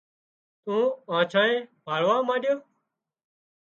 تو آنڇانئي ڀاۯوا مانڏيو